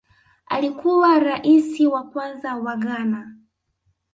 Alikuwa Rais wa kwanza wa Ghana